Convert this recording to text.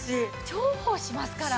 重宝しますから！